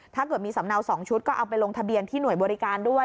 ถ้าเกิดมีสำเนา๒ชุดก็เอาไปลงทะเบียนที่หน่วยบริการด้วย